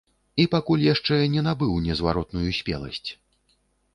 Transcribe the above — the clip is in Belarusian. І пакуль яшчэ не набыў незваротную спеласць.